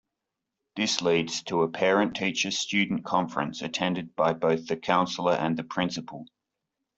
This leads to a parent-teacher-student conference attended by both the counselor and the principal.